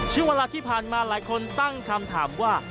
ช่วงเวลาที่ผ่านมาหลายคนตั้งคำถามว่า